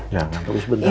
jangan terus bener ya